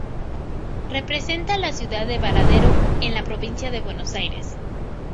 Representa a la ciudad de Baradero, en la Provincia de Buenos Aires.